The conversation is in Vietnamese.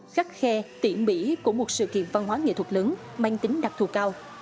khắc khe tiện mỹ của một sự kiện văn hóa nghệ thuật lớn mang tính đặc thù cao